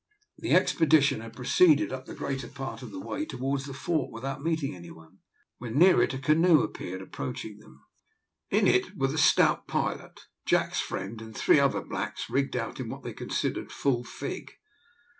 The expedition had proceeded up the greater part of the way towards the fort without meeting any one. When near it a canoe appeared approaching them. In it were the stout pilot, Jack's friend, and three other blacks rigged out in what they considered full fig.